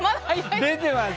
出てます。